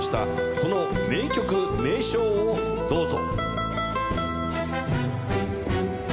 この名曲・名勝をどうぞ。